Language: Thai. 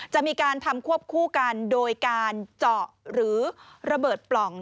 จะมีการทำควบคู่กันโดยการเจาะหรือระเบิดปล่อง